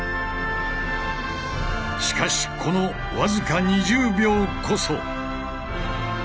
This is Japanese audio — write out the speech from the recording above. しかしこの僅か２０秒こそ。